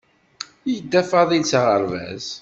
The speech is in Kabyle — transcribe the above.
Yedda Faḍil s aɣerbaz.